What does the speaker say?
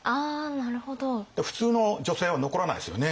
普通の女性は残らないですよね